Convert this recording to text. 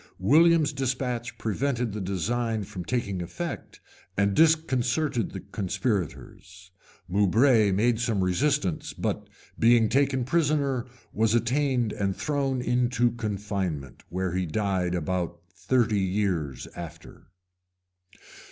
William's despatch prevented the design from taking effect, and disconcerted the conspirators. Moubray made some resistance; but being taken prisoner, was attainted and thrown into confinement, where he died about thirty years after.